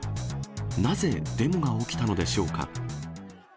なぜデモが起きたのでしょうか。